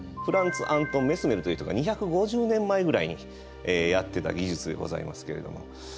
フランツ・アントン・メスメルという人が２５０年前ぐらいにやってた技術でございますけれども。